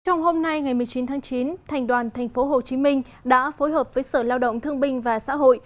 trong hôm nay ngày một mươi chín tháng chín thành đoàn tp hcm đã phối hợp với sở lao động thương binh và xã hội